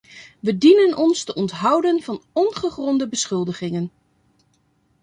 We dienen ons te onthouden van ongegronde beschuldigingen.